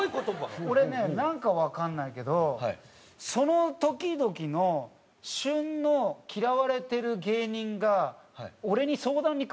俺ねなんかわかんないけどその時々の旬の嫌われてる芸人が。